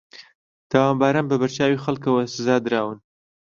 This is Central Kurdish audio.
تاوانباران بە بەرچاوی خەڵکەوە سزادراون